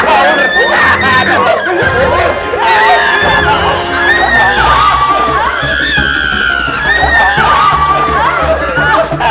enggak saya mau tanya